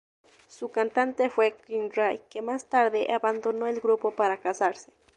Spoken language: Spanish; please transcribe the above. Su cantante fue Ken Ray, que más tarde abandonó el grupo para casarse.